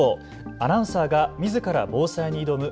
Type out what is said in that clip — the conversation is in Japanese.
アナウンサーがみずから防災に挑む＃